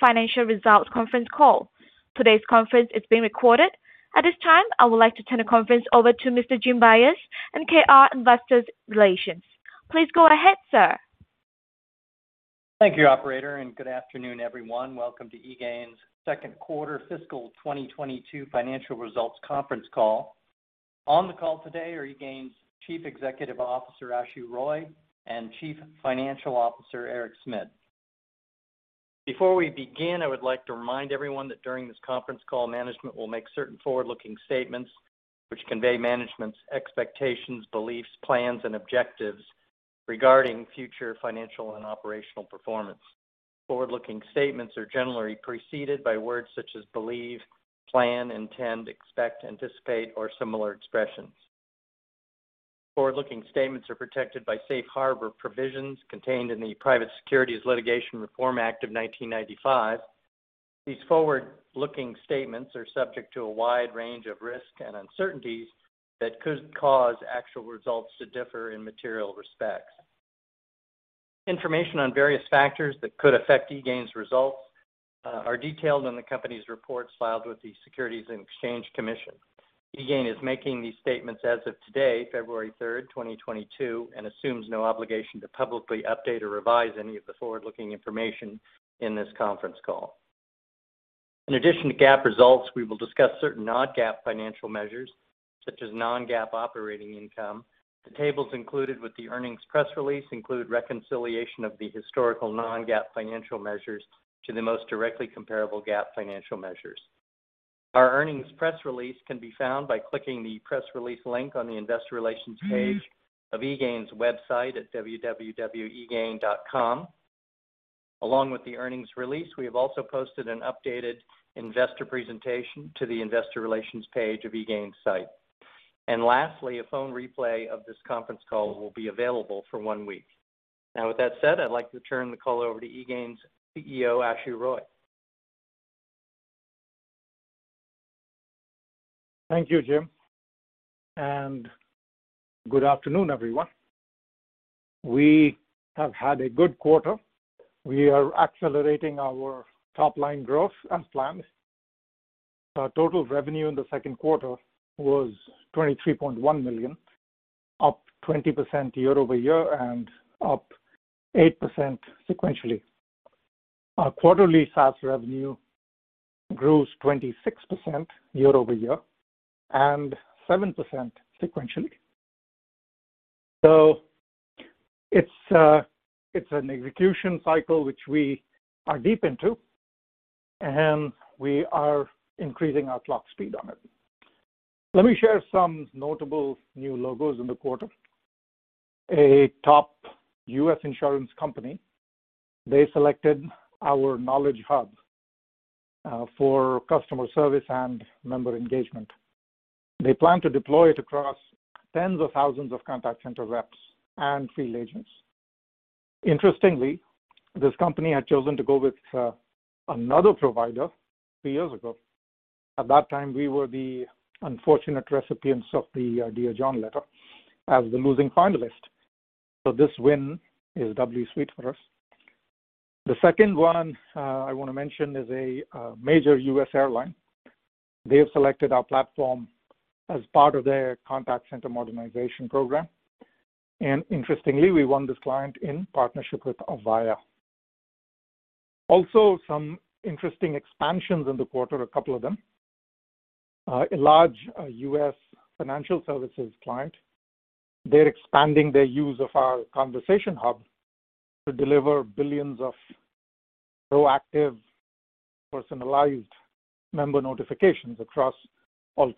Financial Results Conference Call. Today's conference is being recorded. At this time, I would like to turn the conference over to Mr. Jim Byers, MKR Investor Relations. Please go ahead, sir. Thank you, operator, and good afternoon, everyone. Welcome to eGain's second quarter fiscal 2022 financial results conference call. On the call today are eGain's Chief Executive Officer, Ashu Roy, and Chief Financial Officer, Eric Smit. Before we begin, I would like to remind everyone that during this conference call, management will make certain forward-looking statements which convey management's expectations, beliefs, plans, and objectives regarding future financial and operational performance. Forward-looking statements are generally preceded by words such as believe, plan, intend, expect, anticipate, or similar expressions. Forward-looking statements are protected by safe harbor provisions contained in the Private Securities Litigation Reform Act of 1995. These forward-looking statements are subject to a wide range of risks and uncertainties that could cause actual results to differ in material respects. Information on various factors that could affect eGain's results are detailed in the company's reports filed with the Securities and Exchange Commission. eGain is making these statements as of today, February 3rd, 2022, and assumes no obligation to publicly update or revise any of the forward-looking information in this conference call. In addition to GAAP results, we will discuss certain non-GAAP financial measures, such as non-GAAP operating income. The tables included with the earnings press release include reconciliation of the historical non-GAAP financial measures to the most directly comparable GAAP financial measures. Our earnings press release can be found by clicking the Press Release link on the Investor Relations page of eGain's website at www.egain.com. Along with the earnings release, we have also posted an updated investor presentation to the Investor Relations page of eGain's site. Lastly, a phone replay of this conference call will be available for one week. Now, with that said, I'd like to turn the call over to eGain's CEO, Ashu Roy. Thank you, Jim, and good afternoon, everyone. We have had a good quarter. We are accelerating our top-line growth as planned. Our total revenue in the second quarter was $23.1 million, up 20% year-over-year and up 8% sequentially. Our quarterly SaaS revenue grew 26% year-over-year and 7% sequentially. It's an execution cycle which we are deep into, and we are increasing our clock speed on it. Let me share some notable new logos in the quarter. A top U.S. insurance company, they selected our Knowledge Hub for customer service and member engagement. They plan to deploy it across tens of thousands of contact center reps and field agents. Interestingly, this company had chosen to go with another provider three years ago. At that time, we were the unfortunate recipients of the Dear John letter as the losing finalist. This win is doubly sweet for us. The second one, I wanna mention is a major U.S. airline. They have selected our platform as part of their contact center modernization program. Interestingly, we won this client in partnership with Avaya. Also, some interesting expansions in the quarter, a couple of them. A large U.S. financial services client, they're expanding their use of our Conversation Hub to deliver billions of proactive, personalized member notifications across all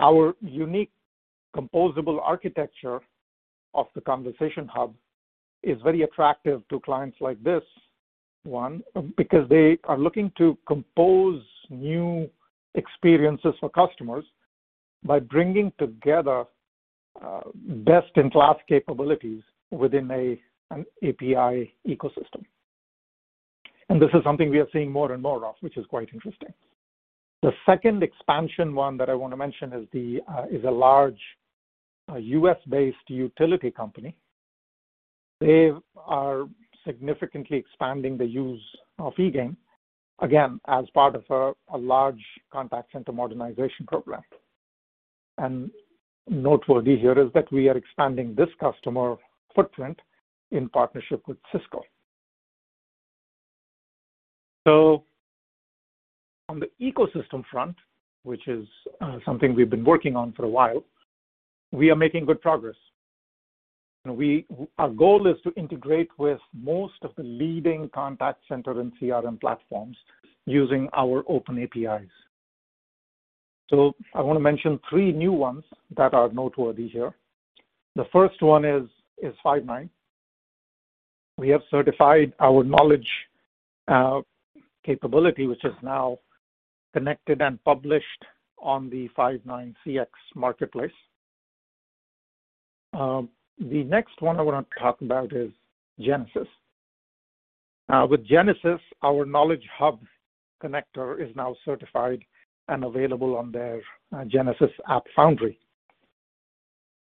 touch points. Our unique composable architecture of the Conversation Hub is very attractive to clients like this one because they are looking to compose new experiences for customers by bringing together best-in-class capabilities within an API ecosystem. This is something we are seeing more and more of, which is quite interesting. The second expansion one that I wanna mention is a large U.S.-based utility company. They are significantly expanding the use of eGain, again, as part of a large contact center modernization program. Noteworthy here is that we are expanding this customer footprint in partnership with Cisco. On the ecosystem front, which is something we've been working on for a while, we are making good progress. Our goal is to integrate with most of the leading contact center and CRM platforms using our open APIs. I wanna mention three new ones that are noteworthy here. The first one is Five9. We have certified our knowledge capability, which is now connected and published on the Five9 CX Marketplace. The next one I wanna talk about is Genesys. With Genesys, our Knowledge Hub connector is now certified and available on their Genesys AppFoundry.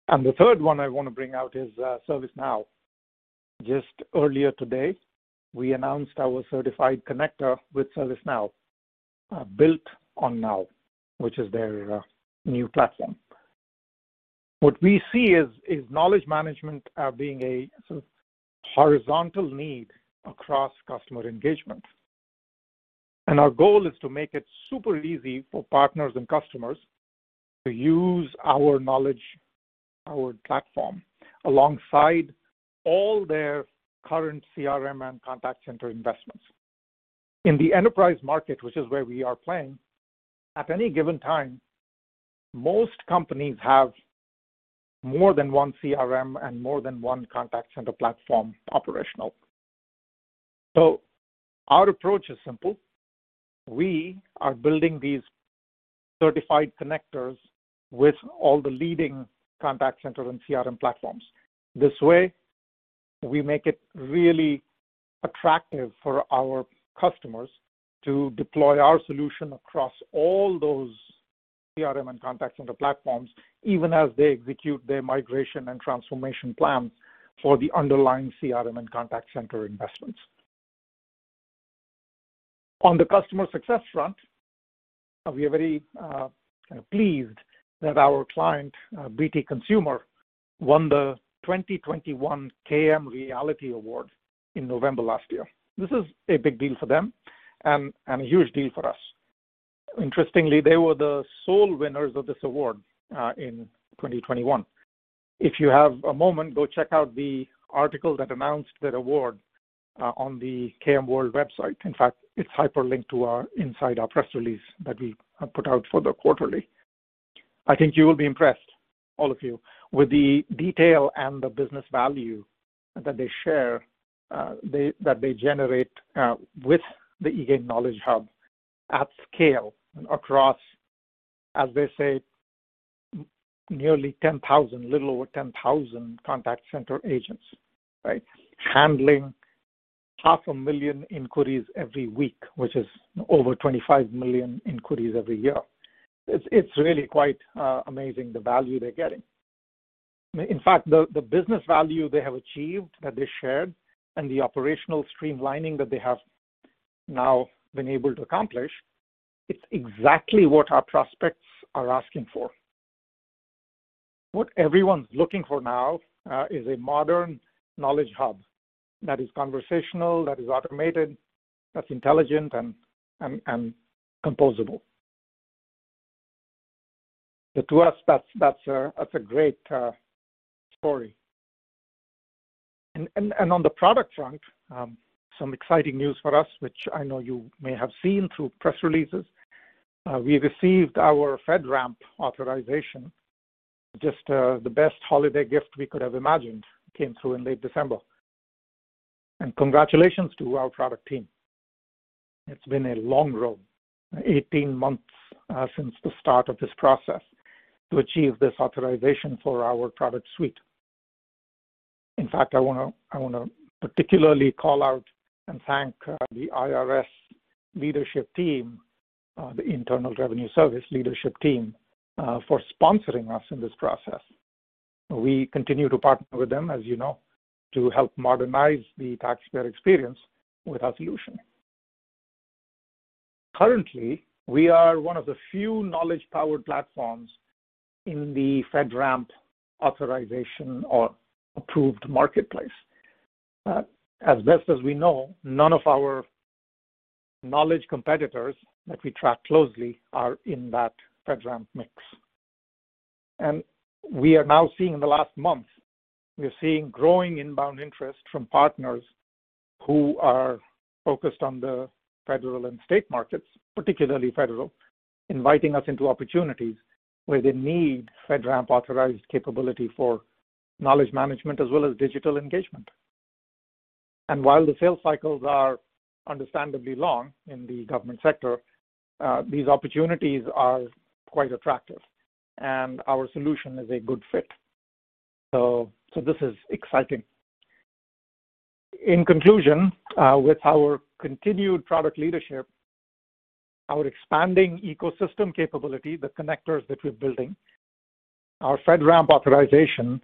The third one I want to bring out is ServiceNow. Just earlier today, we announced our certified connector with ServiceNow, built on Now, which is their new platform. What we see is knowledge management being a horizontal need across customer engagement. Our goal is to make it super easy for partners and customers to use our knowledge, our platform, alongside all their current CRM and contact center investments. In the enterprise market, which is where we are playing, at any given time, most companies have more than one CRM and more than one contact center platform operational. Our approach is simple. We are building these certified connectors with all the leading contact center and CRM platforms. This way, we make it really attractive for our customers to deploy our solution across all those CRM and contact center platforms, even as they execute their migration and transformation plans for the underlying CRM and contact center investments. On the customer success front, we are very kind of pleased that our client, BT Consumer, won the 2021 KM Reality Award in November last year. This is a big deal for them and a huge deal for us. Interestingly, they were the sole winners of this award in 2021. If you have a moment, go check out the article that announced that award on the KMWorld website. In fact, it's hyperlinked inside our press release that we have put out for the quarterly. I think you will be impressed, all of you, with the detail and the business value that they share that they generate with the eGain Knowledge Hub at scale across, as they say, nearly 10,000, a little over 10,000 contact center agents, right? Handling half a million inquiries every week, which is over 25 million inquiries every year. It's really quite amazing the value they're getting. In fact, the business value they have achieved, that they shared, and the operational streamlining that they have now been able to accomplish, it's exactly what our prospects are asking for. What everyone's looking for now is a modern knowledge hub that is conversational, that is automated, that's intelligent and composable. To us, that's a great story. On the product front, some exciting news for us which I know you may have seen through press releases. We received our FedRAMP authorization. Just the best holiday gift we could have imagined came through in late December. Congratulations to our product team. It's been a long road, 18 months, since the start of this process to achieve this authorization for our product suite. In fact, I wanna particularly call out and thank the IRS leadership team, the Internal Revenue Service leadership team, for sponsoring us in this process. We continue to partner with them, as you know, to help modernize the taxpayer experience with our solution. Currently, we are one of the few knowledge-powered platforms in the FedRAMP authorization or approved marketplace. As best as we know, none of our knowledge competitors that we track closely are in that FedRAMP mix. We are now seeing in the last month, we're seeing growing inbound interest from partners who are focused on the federal and state markets, particularly federal, inviting us into opportunities where they need FedRAMP-authorized capability for knowledge management as well as digital engagement. While the sales cycles are understandably long in the government sector, these opportunities are quite attractive, and our solution is a good fit. This is exciting. In conclusion, with our continued product leadership, our expanding ecosystem capability, the connectors that we're building, our FedRAMP authorization,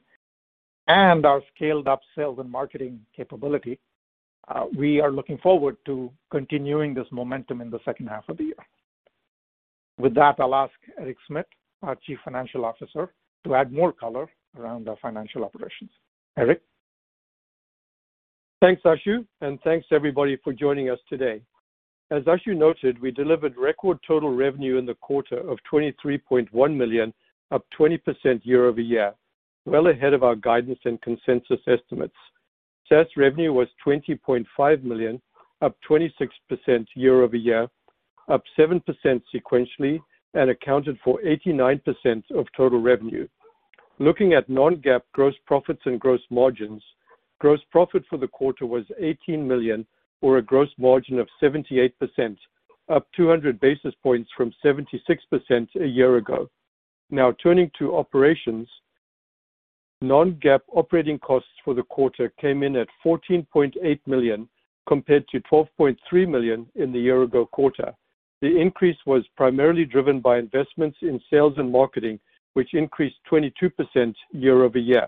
and our scaled-up sales and marketing capability, we are looking forward to continuing this momentum in the second half of the year. With that, I'll ask Eric Smit, our Chief Financial Officer, to add more color around our financial operations. Eric. Thanks, Ashu, and thanks everybody for joining us today. As Ashu noted, we delivered record total revenue in the quarter of $23.1 million, up 20% year-over-year, well ahead of our guidance and consensus estimates. SaaS revenue was $20.5 million, up 26% year-over-year, up 7% sequentially and accounted for 89% of total revenue. Looking at non-GAAP gross profits and gross margins, gross profit for the quarter was $18 million or a gross margin of 78%, up 200 basis points from 76% a year ago. Now turning to operations. Non-GAAP operating costs for the quarter came in at $14.8 million compared to $12.3 million in the year-ago quarter. The increase was primarily driven by investments in sales and marketing, which increased 22% year-over-year.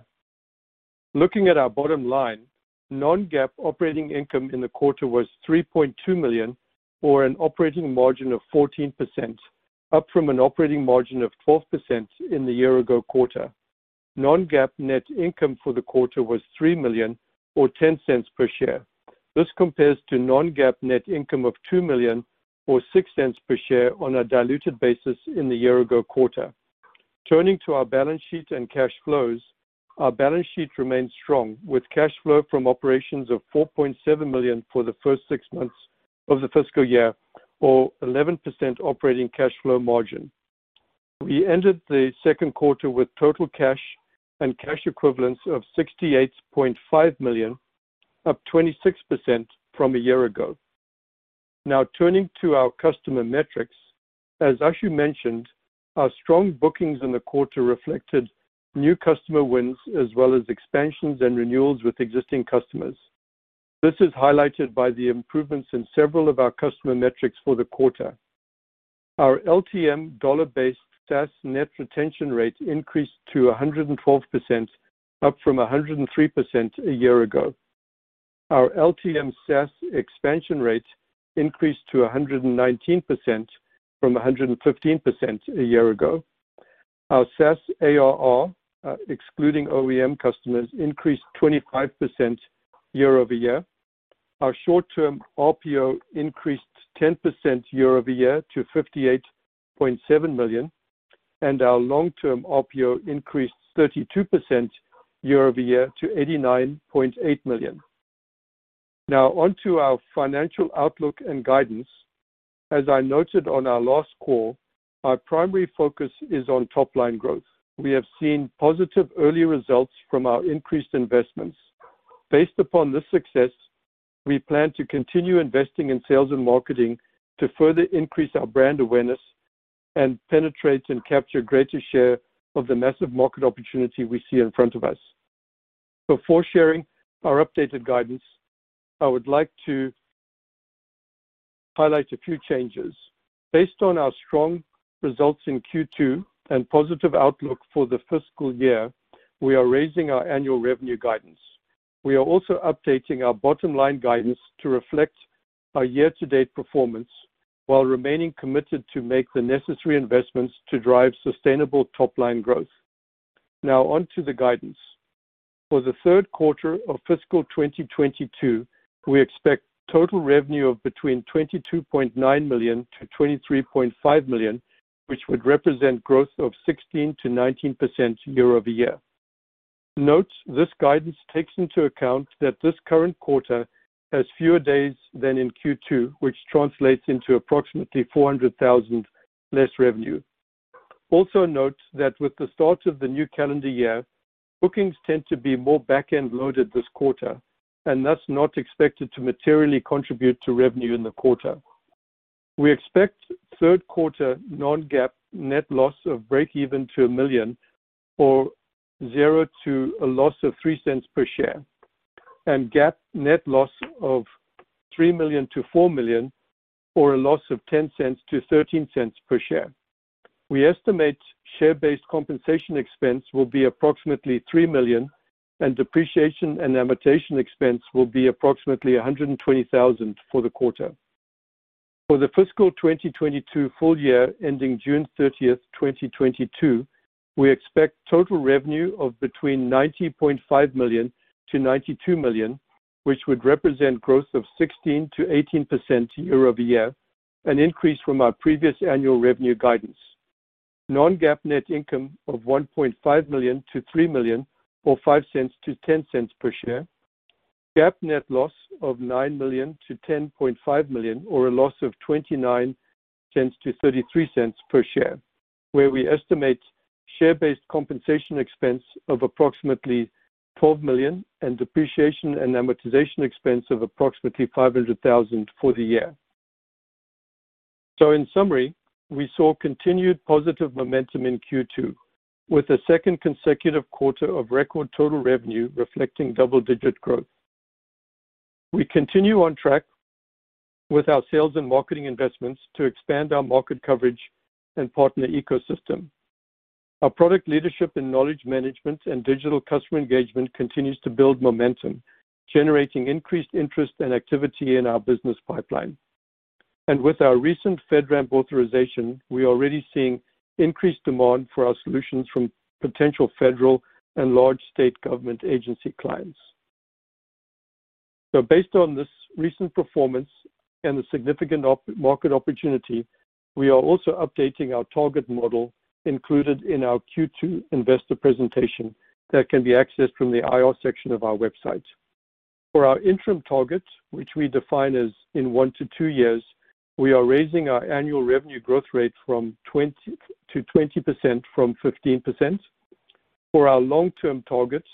Looking at our bottom line, non-GAAP operating income in the quarter was $3.2 million or an operating margin of 14%, up from an operating margin of 12% in the year-ago quarter. Non-GAAP net income for the quarter was $3 million or $0.10 per share. This compares to non-GAAP net income of $2 million or $0.06 per share on a diluted basis in the year-ago quarter. Turning to our balance sheet and cash flows. Our balance sheet remains strong, with cash flow from operations of $4.7 million for the first six months of the fiscal year or 11% operating cash flow margin. We ended the second quarter with total cash and cash equivalents of $68.5 million, up 26% from a year ago. Now turning to our customer metrics. As Ashu mentioned, our strong bookings in the quarter reflected new customer wins as well as expansions and renewals with existing customers. This is highlighted by the improvements in several of our customer metrics for the quarter. Our LTM dollar-based SaaS net retention rate increased to 112%, up from 103% a year ago. Our LTM SaaS expansion rate increased to 119% from 115% a year ago. Our SaaS ARR, excluding OEM customers, increased 25% year-over-year. Our short-term OPO increased 10% year-over-year to $58.7 million. Our long-term OPO increased 32% year-over-year to $89.8 million. Now on to our financial outlook and guidance. As I noted on our last call, our primary focus is on top line growth. We have seen positive early results from our increased investments. Based upon this success, we plan to continue investing in sales and marketing to further increase our brand awareness and penetrate and capture greater share of the massive market opportunity we see in front of us. Before sharing our updated guidance, I would like to highlight a few changes. Based on our strong results in Q2 and positive outlook for the fiscal year, we are raising our annual revenue guidance. We are also updating our bottom-line guidance to reflect our year-to-date performance while remaining committed to make the necessary investments to drive sustainable top line growth. Now on to the guidance. For the third quarter of fiscal 2022, we expect total revenue of between $22.9 million-$23.5 million, which would represent growth of 16%-19% year-over-year. Note this guidance takes into account that this current quarter has fewer days than in Q2, which translates into approximately $400,000 less revenue. Also note that with the start of the new calendar year, bookings tend to be more back-end loaded this quarter and thus not expected to materially contribute to revenue in the quarter. We expect third quarter non-GAAP net loss of breakeven to $1 million or 0 to a loss of $0.03 per share, and GAAP net loss of $3 million-$4 million or a loss of $0.10-$0.13 per share. We estimate share-based compensation expense will be approximately $3 million, and depreciation and amortization expense will be approximately $120,000 for the quarter. For the fiscal 2022 full year ending June 30, 2022, we expect total revenue of between $90.5 million-$92 million, which would represent growth of 16%-18% year-over-year, an increase from our previous annual revenue guidance. Non-GAAP net income of $1.5 million-$3 million or $0.05-$0.10 per share. GAAP net loss of $9 million-$10.5 million or a loss of $0.29-$0.33 per share, where we estimate share-based compensation expense of approximately $12 million and depreciation and amortization expense of approximately $500,000 for the year. In summary, we saw continued positive momentum in Q2 with a second consecutive quarter of record total revenue reflecting double-digit growth. We continue on track with our sales and marketing investments to expand our market coverage and partner ecosystem. Our product leadership in knowledge management and digital customer engagement continues to build momentum, generating increased interest and activity in our business pipeline. With our recent FedRAMP authorization, we are already seeing increased demand for our solutions from potential federal and large state government agency clients. Based on this recent performance and the significant market opportunity, we are also updating our target model included in our Q2 investor presentation that can be accessed from the IR section of our website. For our interim targets, which we define as in 1 year-2 years, we are raising our annual revenue growth rate to 20% from 15%. For our long-term targets,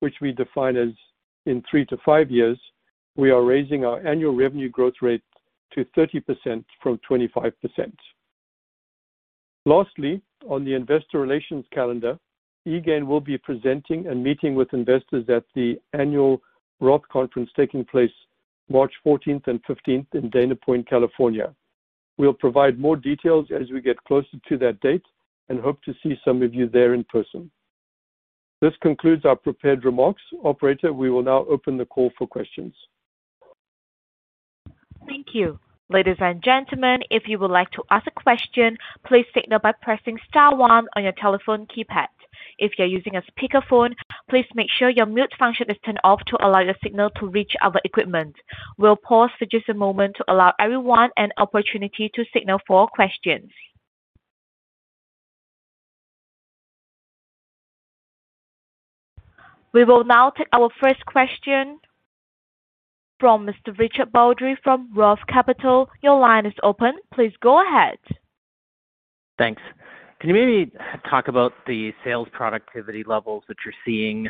which we define as in 3 year-5 years, we are raising our annual revenue growth rate to 30% from 25%. Lastly, on the investor relations calendar, eGain will be presenting and meeting with investors at the annual ROTH Conference taking place March 14th and 15th in Dana Point, California. We'll provide more details as we get closer to that date and hope to see some of you there in person. This concludes our prepared remarks. Operator, we will now open the call for questions. Thank you. Ladies and gentlemen, if you would like to ask a question, please signal by pressing star one on your telephone keypad. If you're using a speakerphone, please make sure your mute function is turned off to allow your signal to reach our equipment. We'll pause for just a moment to allow everyone an opportunity to signal for questions. We will now take our first question from Mr. Richard Baldry from Roth Capital. Your line is open. Please go ahead. Thanks. Can you maybe talk about the sales productivity levels that you're seeing,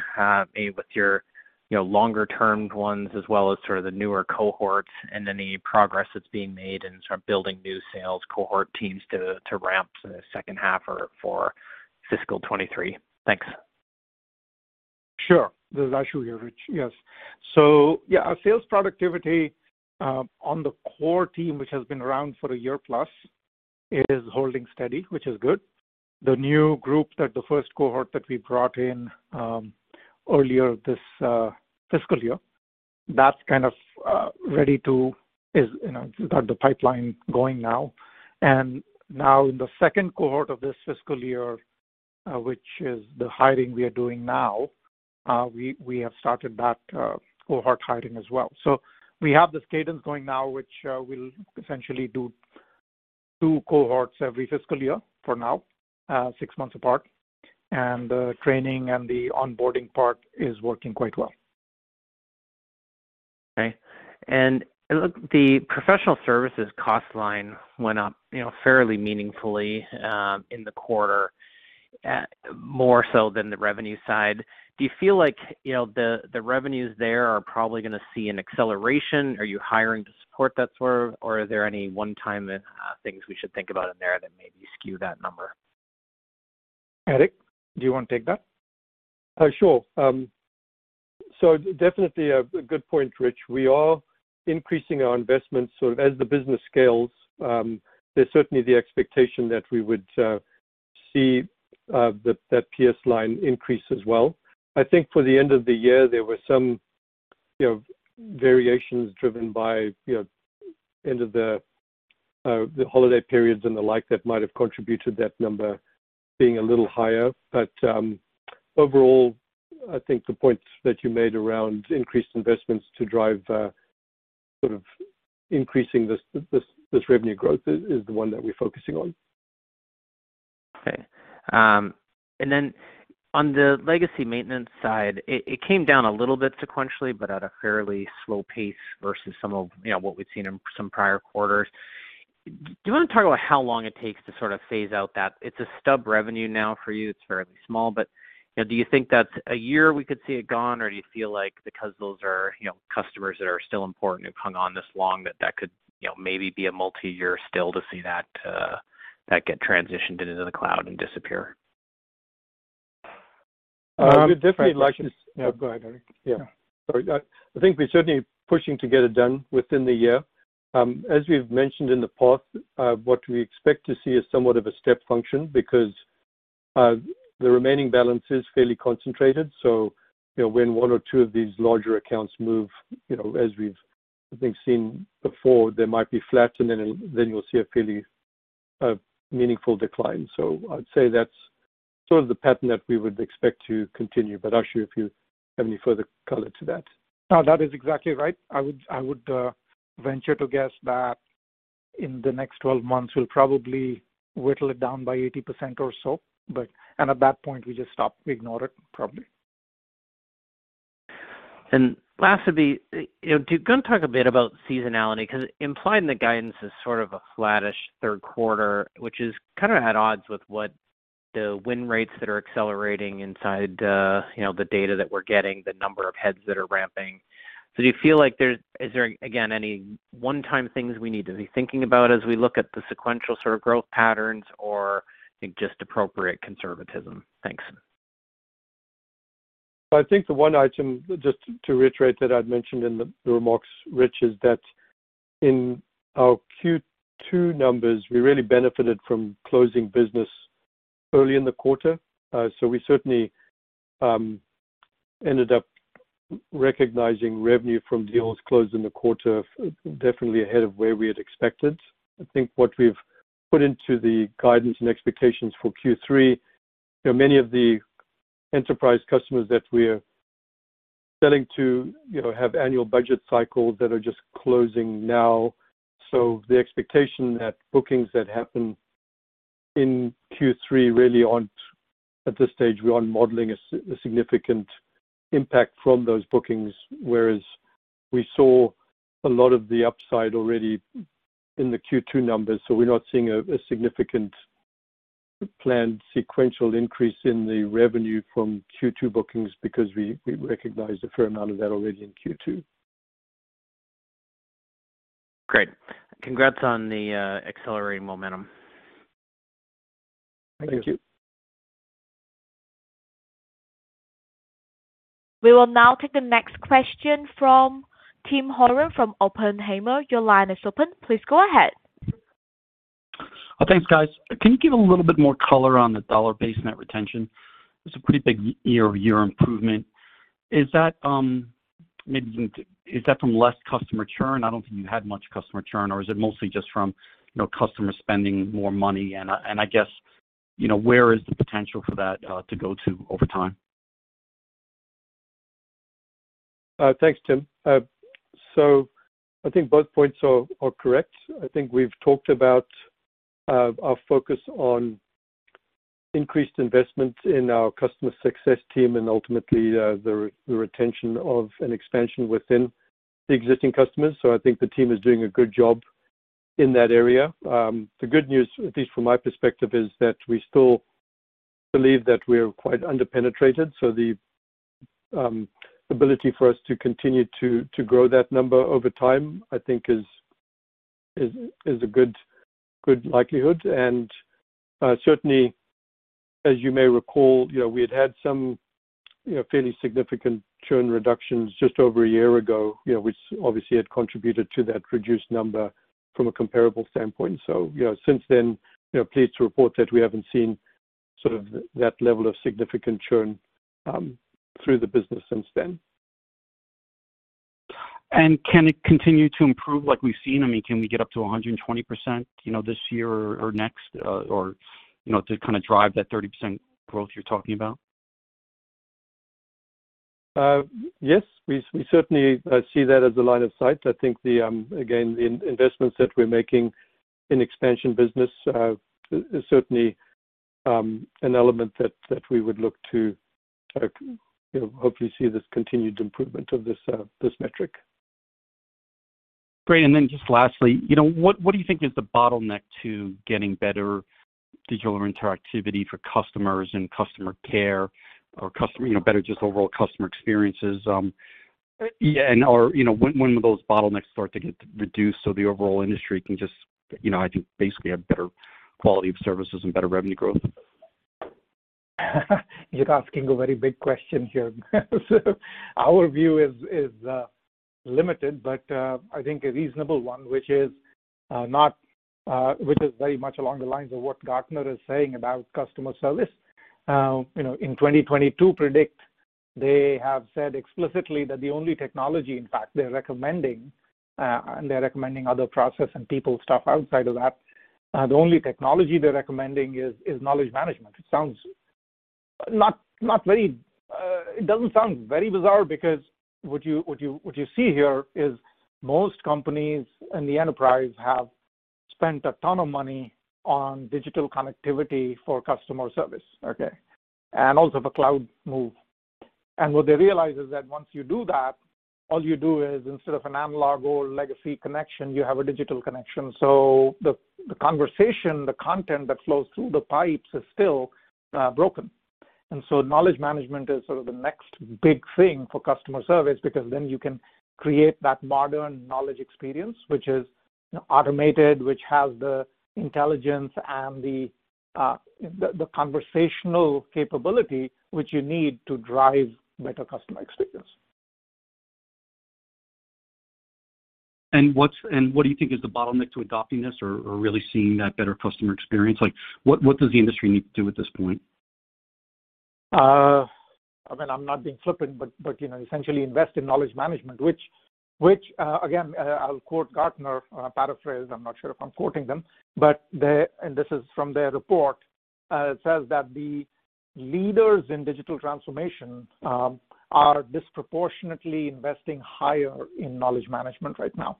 maybe with your, you know, longer term ones as well as sort of the newer cohorts and any progress that's being made in sort of building new sales cohort teams to ramp in the second half or for fiscal 2023? Thanks. Sure. This is Ashu here, Rich. Yes. Yeah, our sales productivity on the core team, which has been around for a year plus, is holding steady, which is good. The new group that the first cohort that we brought in earlier this fiscal year, that's kind of ready to you know start the pipeline going now. Now in the second cohort of this fiscal year, which is the hiring we are doing now, we have started that cohort hiring as well. We have this cadence going now, which we'll essentially do two cohorts every fiscal year for now, six months apart. The training and the onboarding part is working quite well. Okay. The professional services cost line went up, you know, fairly meaningfully, in the quarter, more so than the revenue side. Do you feel like, you know, the revenues there are probably gonna see an acceleration? Are you hiring to support that sort of? Or are there any one-time things we should think about in there that maybe skew that number? Eric, do you want to take that? Sure. So definitely a good point, Rich. We are increasing our investments sort of as the business scales. There's certainly the expectation that we would see that PS line increase as well. I think for the end of the year, there were some, you know, variations driven by, you know, end of the holiday periods and the like that might have contributed that number being a little higher. Overall, I think the points that you made around increased investments to drive sort of increasing this revenue growth is the one that we're focusing on. Okay. On the legacy maintenance side, it came down a little bit sequentially, but at a fairly slow pace versus some of, you know, what we've seen in some prior quarters. Do you wanna talk about how long it takes to sort of phase out that? It's a stub revenue now for you. It's fairly small, but, you know, do you think that's a year we could see it gone? Or do you feel like because those are, you know, customers that are still important, who've hung on this long that that could, you know, maybe be a multiyear still to see that get transitioned into the cloud and disappear? We'd definitely like to. Yeah, go ahead, Eric. Yeah. Sorry. I think we're certainly pushing to get it done within the year. As we've mentioned in the past, what we expect to see is somewhat of a step function because the remaining balance is fairly concentrated. You know, when one or two of these larger accounts move, you know, as we've, I think, seen before, they might be flat, and then you'll see a fairly meaningful decline. I'd say that's sort of the pattern that we would expect to continue. Ashu, if you have any further color on that. No. That is exactly right. I would venture to guess that in the next 12 months we'll probably whittle it down by 80% or so, but at that point, we just stop, ignore it probably. Last, you know, can you talk a bit about seasonality? 'Cause implying the guidance is sort of a flattish third quarter, which is kind of at odds with what the win rates that are accelerating inside, you know, the data that we're getting, the number of heads that are ramping. Do you feel like there's, again, any one-time things we need to be thinking about as we look at the sequential sort of growth patterns or I think just appropriate conservatism? Thanks. I think the one item, just to reiterate that I'd mentioned in the remarks, Rich, is that in our Q2 numbers, we really benefited from closing business early in the quarter. We certainly ended up recognizing revenue from deals closed in the quarter definitely ahead of where we had expected. I think what we've put into the guidance and expectations for Q3, you know, many of the enterprise customers that we're selling to, you know, have annual budget cycles that are just closing now. The expectation that bookings that happen in Q3 really aren't at this stage, we aren't modeling a significant impact from those bookings, whereas we saw a lot of the upside already in the Q2 numbers. We're not seeing a significant planned sequential increase in the revenue from Q2 bookings because we recognized a fair amount of that already in Q2. Great. Congrats on the accelerating momentum. Thank you. We will now take the next question from Tim Horan from Oppenheimer. Your line is open. Please go ahead. Thanks, guys. Can you give a little bit more color on the dollar-based net retention? It's a pretty big year-over-year improvement. Is that from less customer churn? I don't think you had much customer churn. Or is it mostly just from, you know, customer spending more money? I guess, you know, where is the potential for that to go to over time? Thanks, Tim. I think both points are correct. I think we've talked about our focus on increased investment in our customer success team and ultimately the retention of an expansion within the existing customers. I think the team is doing a good job in that area. The good news, at least from my perspective, is that we still believe that we are quite under-penetrated, so the ability for us to continue to grow that number over time, I think, is a good likelihood. Certainly, as you may recall, you know, we had some, you know, fairly significant churn reductions just over a year ago, you know, which obviously had contributed to that reduced number from a comparable standpoint. You know, since then, you know, pleased to report that we haven't seen sort of that level of significant churn through the business since then. Can it continue to improve like we've seen? I mean, can we get up to 120%, you know, this year or next? Or, you know, to kinda drive that 30% growth you're talking about? Yes. We certainly see that as a line of sight. I think the investments that we're making in expansion business is certainly an element that we would look to, you know, hopefully see this continued improvement of this metric. Great. Just lastly, you know, what do you think is the bottleneck to getting better digital interactivity for customers and customer care or, you know, better just overall customer experiences? Or, you know, when will those bottlenecks start to get reduced so the overall industry can just, you know, I think, basically have better quality of services and better revenue growth? You're asking a very big question here. Our view is limited, but I think a reasonable one, which is very much along the lines of what Gartner is saying about customer service. You know, in 2022 predictions, they have said explicitly that the only technology, in fact, they're recommending and they're recommending other process and people stuff outside of that, the only technology they're recommending is knowledge management. It doesn't sound very bizarre because what you see here is most companies in the enterprise have spent a ton of money on digital connectivity for customer service, okay. Also the cloud move. What they realize is that once you do that, all you do is instead of an analog or legacy connection, you have a digital connection. The conversation, the content that flows through the pipes is still broken. Knowledge management is sort of the next big thing for customer service because then you can create that modern knowledge experience, which is automated, which has the intelligence and the conversational capability which you need to drive better customer experience. What do you think is the bottleneck to adopting this or really seeing that better customer experience? Like, what does the industry need to do at this point? I mean, I'm not being flippant, but you know, essentially invest in knowledge management, which again, I'll quote Gartner, paraphrase. I'm not sure if I'm quoting them. They and this is from their report, it says that the leaders in digital transformation are disproportionately investing higher in knowledge management right now.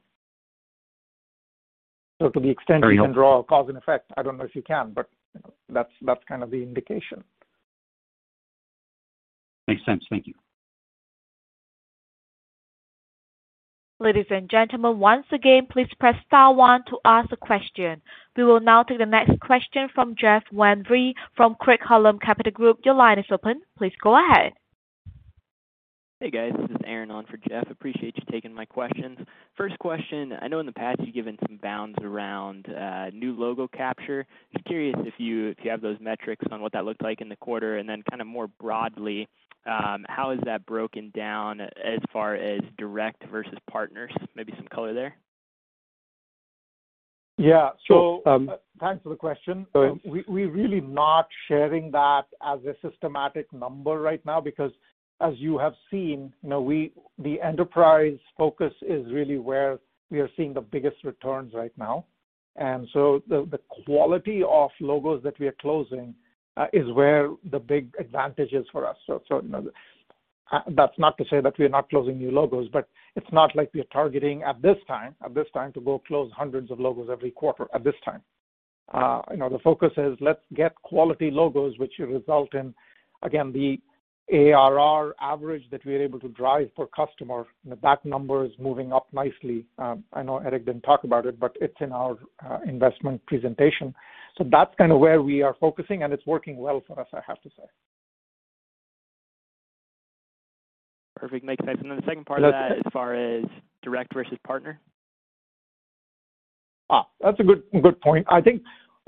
To the extent- Very helpful. You can draw a cause and effect, I don't know if you can, but, you know, that's kind of the indication. Makes sense. Thank you. Ladies and gentlemen, once again, please press star one to ask a question. We will now take the next question from Jeff Van Rhee from Craig-Hallum Capital Group. Your line is open. Please go ahead. Hey, guys. This is Aaron on for Jeff. Appreciate you taking my questions. First question: I know in the past you've given some bounds around new logo capture. Just curious if you have those metrics on what that looked like in the quarter. Kind of more broadly, how is that broken down as far as direct versus partners? Maybe some color there. Yeah. Sure. Thanks for the question. Go ahead. We're really not sharing that as a systematic number right now because, as you have seen, you know, the enterprise focus is really where we are seeing the biggest returns right now. The quality of logos that we are closing is where the big advantage is for us. You know, that's not to say that we're not closing new logos, but it's not like we're targeting at this time to go close hundreds of logos every quarter, at this time. You know, the focus is let's get quality logos which result in, again, the ARR average that we're able to drive for customer. You know, that number is moving up nicely. I know Eric didn't talk about it, but it's in our investment presentation. That's kind of where we are focusing, and it's working well for us, I have to say. Perfect. Makes sense. The second part of that, as far as direct versus partner. That's a good point. I think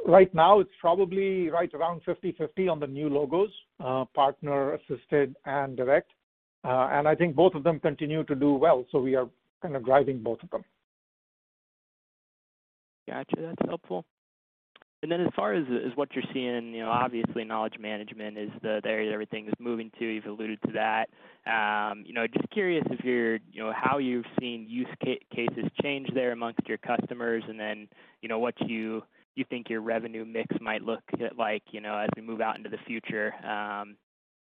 right now it's probably right around 50/50 on the new logos, partner assisted and direct. I think both of them continue to do well. We are kind of driving both of them. Got you. That's helpful. As far as what you're seeing, you know, obviously knowledge management is the area everything is moving to. You've alluded to that. You know, just curious if you're, you know, how you've seen use cases change there among your customers, and then, you know, what you think your revenue mix might look like, you know, as we move out into the future,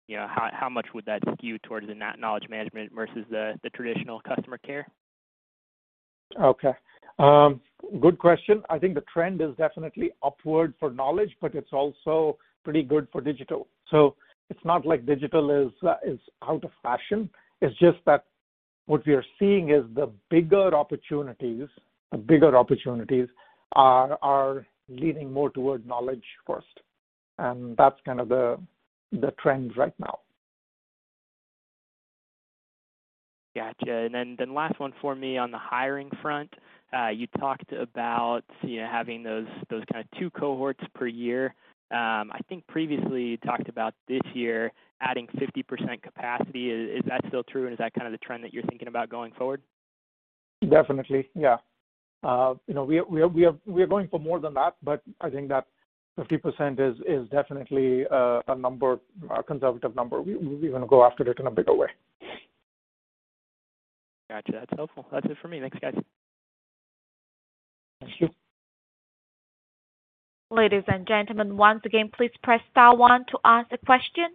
you know, how much would that skew towards the knowledge management versus the traditional customer care? Okay. Good question. I think the trend is definitely upward for knowledge, but it's also pretty good for digital. It's not like digital is out of fashion. It's just that what we are seeing is the bigger opportunities are leaning more toward knowledge first. That's kind of the trend right now. Gotcha. Then last one for me on the hiring front. You talked about, you know, having those kind of two cohorts per year. I think previously you talked about this year adding 50% capacity. Is that still true? Is that kind of the trend that you're thinking about going forward? Definitely, yeah. You know, we are going for more than that, but I think that 50% is definitely a number, a conservative number. We wanna go after it in a bigger way. Got you. That's helpful. That's it for me. Thanks, guys. Thank you. Ladies and gentlemen, once again, please press star one to ask a question.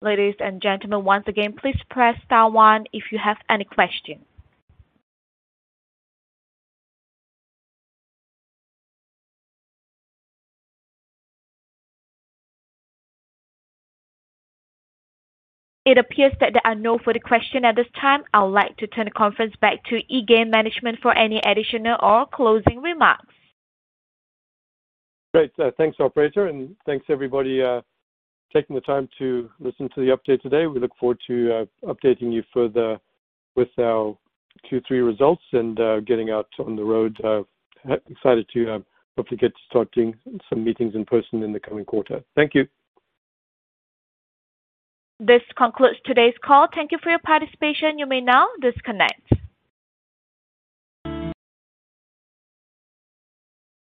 Ladies and gentlemen, once again, please press star one if you have any questions. It appears that there are no further questions at this time. I would like to turn the conference back to eGain management for any additional or closing remarks. Great. Thanks, operator. Thanks everybody, taking the time to listen to the update today. We look forward to updating you further with our Q3 results and getting out on the road. Excited to hopefully get to start doing some meetings in person in the coming quarter. Thank you. This concludes today's call. Thank you for your participation. You may now disconnect.